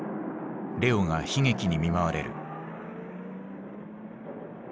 レオが悲劇に見舞われる。